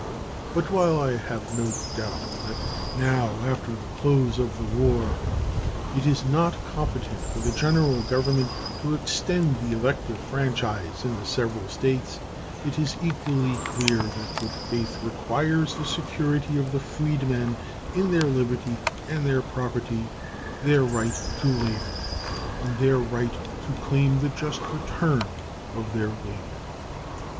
But while I have no doubt that now, after the close of the war, it is not competent for the General Government to extend the elective franchise in the several States, it is equally clear that good faith requires the security of the freedmen in their liberty and their property, their right to labor, and their right to claim the just return of their labor.